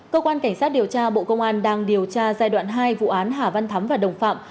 cơ quan cảnh sát điều tra bộ công an đang điều tra giai đoạn hai vụ án hà văn thắm và đồng phạm